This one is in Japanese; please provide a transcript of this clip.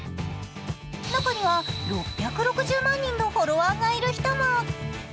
中には６６０万人のフォロワーがいる人も。